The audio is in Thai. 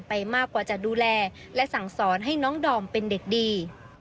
ไปมากกว่าจะดูแลและสั่งสอนให้น้องดอมเป็นเด็กดี